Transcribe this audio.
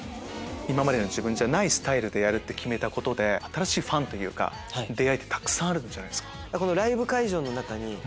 今までの自分じゃないスタイルでやるって決めたことで新しいファンというか出会いってたくさんあるんじゃないですか？